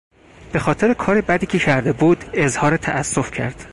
به خاطر کار بدی که کرده بود اظهار تاسف کرد.